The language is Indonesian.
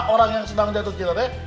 orang yang sedang jatuh cinta